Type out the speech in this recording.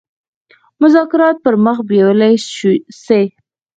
مذاکرات پر مخ بېولای سي.